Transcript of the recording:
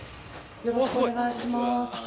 よろしくお願いします。